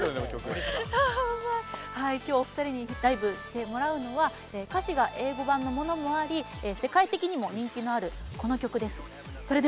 きょう、お二人にライブしてもらうのは歌詞が英語版のものもあり世界的にも人気のあるこの曲です。